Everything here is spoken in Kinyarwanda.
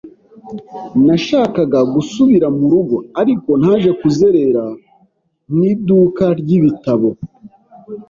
Nashakaga gusubira mu rugo, ariko naje kuzerera mu iduka ry'ibitabo.